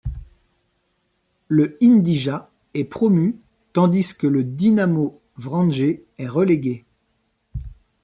Le Inđija est promu tandis que le Dinamo Vranje est relégué.